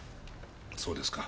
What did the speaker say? そうですか。